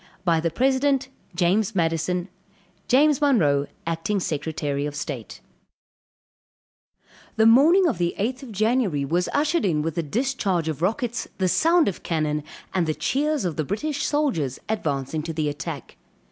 "By the President, "JAMES MADISON "JAMES MONROE, "Acting Secretary of State." The morning of the eighth of January, was ushered in with the discharge of rockets, the sound of cannon, and the cheers of the British soldiers advancing to the attack.